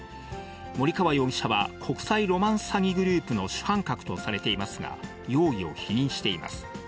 森川容疑者は、国際ロマンス詐欺グループの主犯格とされていますが、容疑を否認しています。